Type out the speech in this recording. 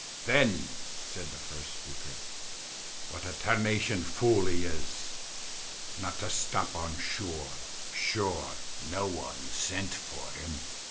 "Then," said the first speaker, "what a tarnation fool he was, not to stop on shore. Sure, no one sent for him."